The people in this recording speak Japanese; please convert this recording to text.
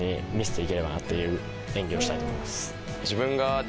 演技をしたいと思います。